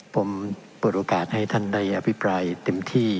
ผมเปิดโอกาสให้ท่านได้อภิปรายเต็มที่